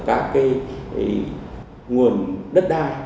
các nguồn đất đai